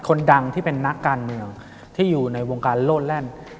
คนดังที่เป็นนักการเมืองที่อยู่ในวงการโลดแล่น